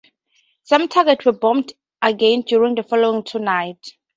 Some targets were bombed again during the following two nights.